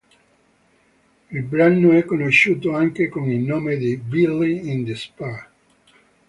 Il brano è conosciuto anche con il nome di "Billy in Despair".